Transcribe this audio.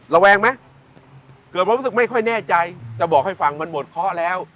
ระแวงไหมเกิดความรู้สึกไม่ค่อยแน่ใจจะบอกให้ฟังมันหมดเคาะแล้ว